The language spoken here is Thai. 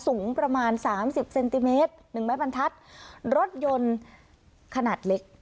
สูงประมาณสามสิบเซนติเมตรหนึ่งไม้บรรทัศน์รถยนต์ขนาดเล็ก